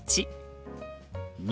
「２」。